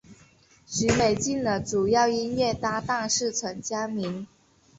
许美静的主要音乐搭档是陈佳明。